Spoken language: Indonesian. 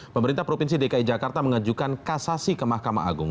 pemerintah provinsi dki jakarta mengajukan kasasi ke mahkamah agung